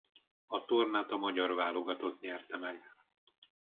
A tornát a magyar válogatott nyerte meg.